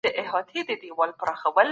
روژه د روغتیا ملاتړ کوي.